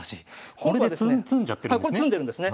これで詰んじゃってるんですね。